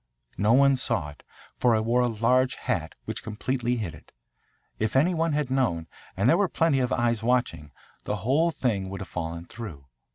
No one saw it, for I wore a large hat which completely hid it. If any one had known, and there were plenty of eyes watching, the whole thing would have fallen through.